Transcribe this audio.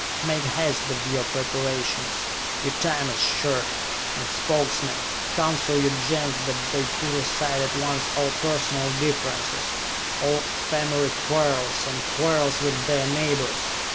Make haste with your preparations! Your time is short! And Spokesmen, counsel your Gens that they put aside at once all personal differences, all family quarrels, all quarrels with their neighbors!